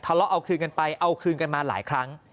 ทะเลาะเอาคืนกันไปเอาคืนกันมาหลายครั้ง